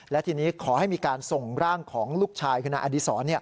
และทีนี้ขอให้มีการส่งร่างของลูกชายคือนายอดีศร